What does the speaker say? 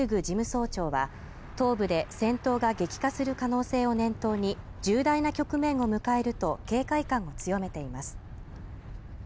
事務総長は東部で戦闘が激化する可能性を念頭に重大な局面を迎えると警戒感を強めています